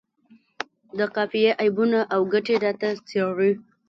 د قافیې عیبونه او ګټې راته څیړي.